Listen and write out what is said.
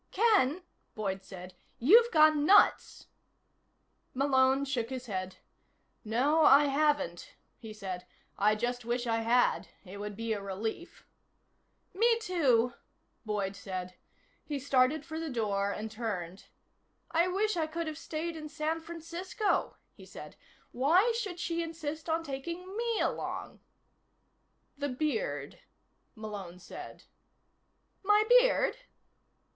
"Ken," Boyd said, "you've gone nuts." Malone shook his head. "No, I haven't," he said. "I just wish I had. It would be a relief." "Me too," Boyd said. He started for the door and turned. "I wish I could have stayed in San Francisco," he said. "Why should she insist on taking me along?" "The beard," Malone said. "My beard?"